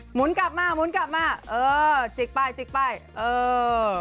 หมุนกลับมาหมุนกลับมาเออจิกไปจิกไปเออ